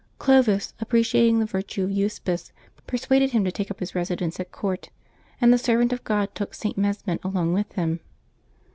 Clovis, appreciating the virtues of Euspice, per suaded him to take up his residence at court, and the servant of God took St. Mesmin along with him.